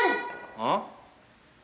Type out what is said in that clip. ああ？